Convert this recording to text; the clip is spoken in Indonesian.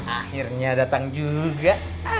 akhirnya datang juga